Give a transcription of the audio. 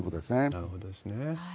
なるほどですね。